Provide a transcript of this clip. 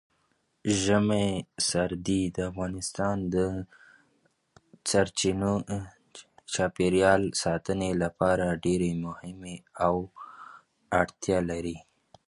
ژورې سرچینې د افغانستان د چاپیریال ساتنې لپاره ډېر مهم او اړین دي.